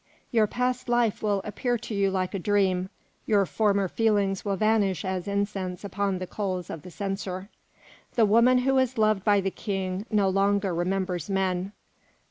Your past life will appear to you like a dream, your former feelings will vanish as incense upon the coals of the censer. The woman who is loved by the King no longer remembers men.